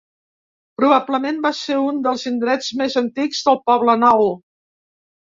Probablement va ser un dels indrets més antics del Poblenou.